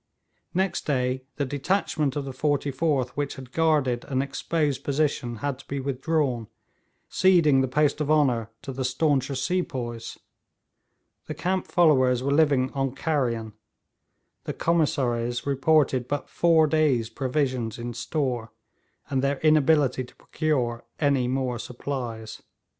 Next day the detachment of the 44th which had guarded an exposed position had to be withdrawn, ceding the post of honour to the stauncher sepoys. The camp followers were living on carrion; the commissaries reported but four days' provisions in store, and their inability to procure any more supplies.